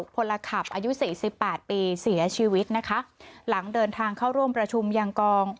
พลขับอายุสี่สิบแปดปีเสียชีวิตนะคะหลังเดินทางเข้าร่วมประชุมยังกอง